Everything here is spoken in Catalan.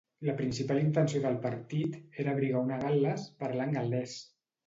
La principal intenció del partit era abrigar una Gal·les parlant gal·lès.